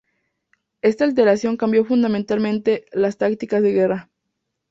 Esta alteración cambió fundamentalmente las tácticas de guerra.